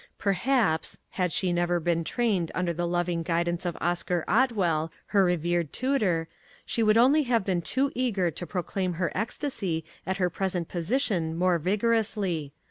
Perhaps, had she never been trained under the loving guidance of Oscar Otwell, her revered tutor, she would only have been too eager to proclaim her ecstacy at her present position more vigorously.